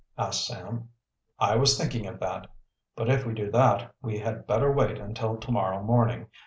asked Sam. "I was thinking of that. But, if we do that, we had better wait until to morrow morning.